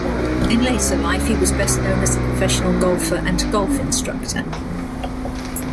In later life, he was best known as a professional golfer and golf instructor.